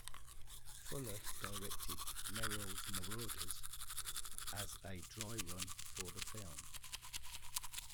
Fuller directed "Merrill's Marauders" as a dry run for the film.